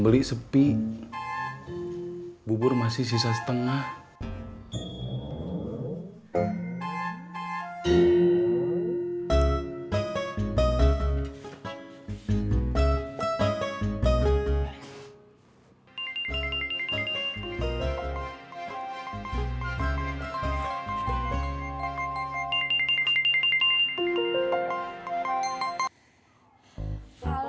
dia mau mua sangat banyaknya bakar